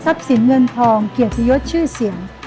สินเงินทองเกียรติยศชื่อเสียง